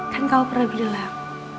kan kamu pernah bilang